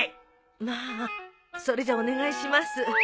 まあそれじゃお願いします。